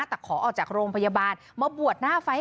แต่ขอออกจากโรงพยาบาลมาบวชหน้าไฟล์